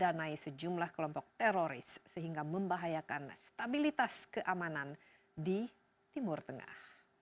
dan menganai sejumlah kelompok teroris sehingga membahayakan stabilitas keamanan di timur tengah